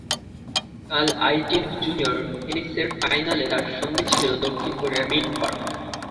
কাল ITF junior টেনিসের ফাইনালে তাঁর সঙ্গী ছিল দক্ষিণ কোরিয়ার মিন পার্ক।